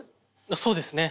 そうですね。